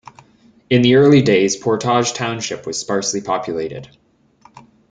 In the early days Portage Township was sparsely populated.